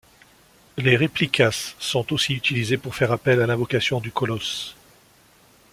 Les réplikas sont aussi utilisés pour faire appel à l'invocation du Kolosse.